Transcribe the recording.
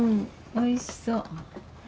おいしそう。